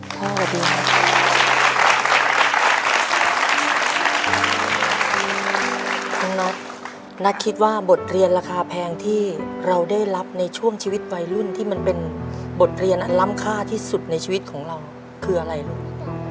น้องน็อตนัทคิดว่าบทเรียนราคาแพงที่เราได้รับในช่วงชีวิตวัยรุ่นที่มันเป็นบทเรียนอันล้ำค่าที่สุดในชีวิตของเราคืออะไรลูก